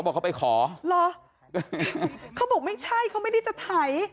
เขาบอกไม่ใช่เขาไม่ได้จะไถ